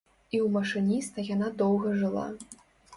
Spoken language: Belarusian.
І ў машыніста яна доўга жыла.